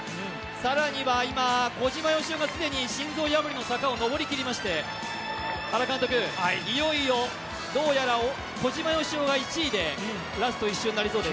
更には小島よしおが既に心臓破りの坂を上りきりまして、原監督、いよいよどうやら小島よしおが１位でラスト１周となりそうです。